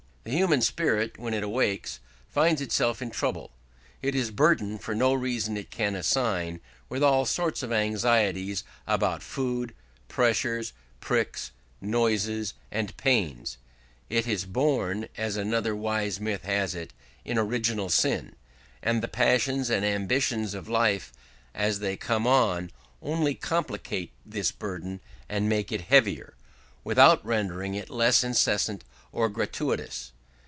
The human spirit, when it awakes, finds itself in trouble; it is burdened, for no reason it can assign, with all sorts of anxieties about food, pressures, pricks, noises, and pains. It is born, as another wise myth has it, in original sin. And the passions and ambitions of life, as they come on, only complicate this burden and make it heavier, without rendering it less incessant or gratuitous.